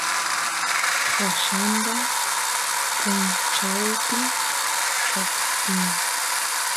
qallamba punchawpi lloqsin